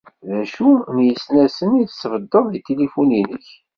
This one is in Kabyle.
D acu n yisnasen i tesbedded di tilifun-inek?